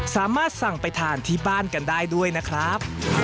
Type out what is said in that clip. สามารถสั่งไปทานที่บ้านกันได้ด้วยนะครับ